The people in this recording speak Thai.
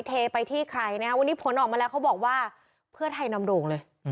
เทไปที่ใครนะฮะวันนี้ผลออกมาแล้วเขาบอกว่าเพื่อไทยนำโด่งเลย